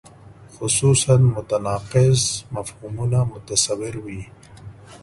خصوصاً متناقض مفهومونه متصور وي.